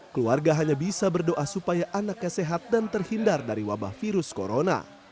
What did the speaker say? keluarga hanya bisa berdoa supaya anaknya sehat dan terhindar dari wabah virus corona